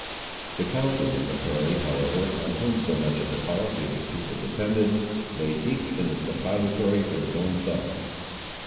The counsels of Mahtoree, however, on whom so much of the policy of his people depended, lay deep in the depository of his own thoughts.